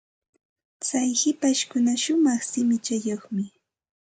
Tsay hipashpuka shumaq shimichayuqmi.